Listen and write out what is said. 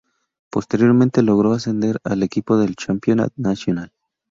Posteriormente, logró ascender al equipo al Championnat National.